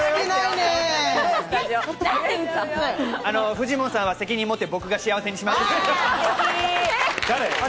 フジモンさんは責任持って僕が幸せにします。